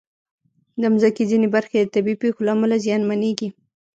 د مځکې ځینې برخې د طبعي پېښو له امله زیانمنېږي.